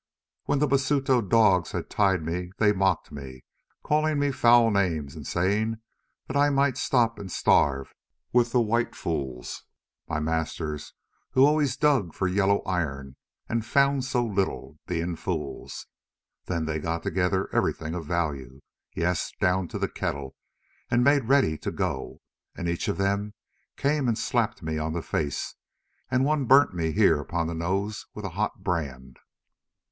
"When the Basuto dogs had tied me they mocked me, calling me foul names and saying that I might stop and starve with the white fools, my masters, who always dug for yellow iron and found so little, being fools. Then they got together everything of value, yes, down to the kettle, and made ready to go, and each of them came and slapped me on the face, and one burnt me here upon the nose with a hot brand.